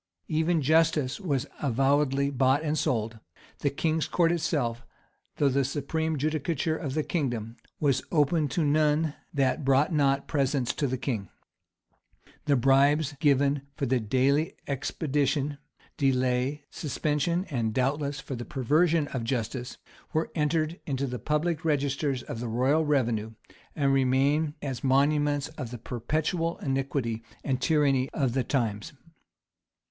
Even justice was avowedly bought and sold; the king's court itself, though the supreme judicature of the kingdom, was open to none that brought not presents to the king; the bribes given for the expedition, delay,[*] suspension, and, doubtless, for the perversion of justice, were entered in the public registers of the royal revenue, and remain as monuments of the perpetual iniquity and tyranny of the times.